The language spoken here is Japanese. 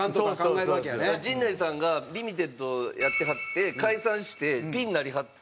陣内さんがリミテッドやってはって解散してピンになりはって。